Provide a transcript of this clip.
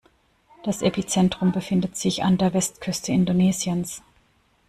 Das Epizentrum befindet sich an der Westküste Indonesiens.